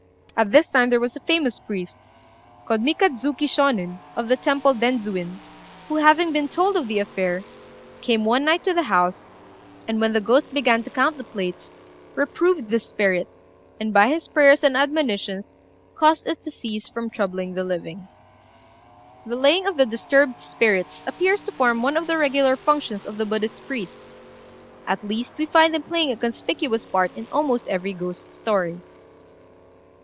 At this time there was a famous priest, called Mikadzuki Shônin, of the temple Denzuin, who, having been told of the affair, came one night to the house, and, when the ghost began to count the plates, reproved the spirit, and by his prayers and admonitions caused it to cease from troubling the living. The laying of disturbed spirits appears to form one of the regular functions of the Buddhist priests; at least, we find them playing a conspicuous part in almost every ghost story.